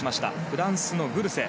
フランスのグルセ。